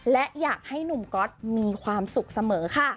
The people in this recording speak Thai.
และอยากให้หนุ่มก๊อตมีความสุขเสมอค่ะ